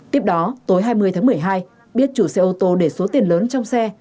tiếp đó tối hai mươi tháng một mươi hai biết chủ xe ô tô để số tiền lớn trong xe